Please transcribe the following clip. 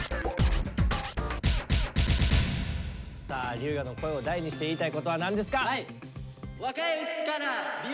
龍我の声を大にして言いたいことは何ですか？